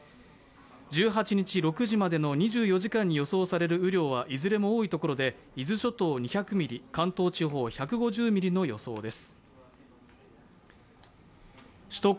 １８日６時までの２４時間に予想される雨量はいずれも多い所で伊豆諸島２００ミリ、関東地方１５０ミリの予想です。